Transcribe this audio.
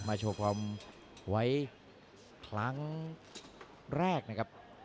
โชว์ความไว้ครั้งแรกนะครับ